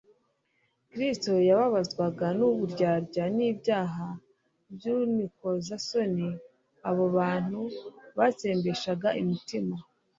Kristo yababazwaga n'uburyarya n'ibyaha by'unikozasoni abo abantu batsembeshaga imitima,